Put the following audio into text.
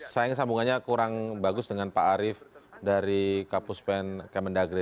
sayang sambungannya kurang bagus dengan pak arief dari kapus pen kemendagri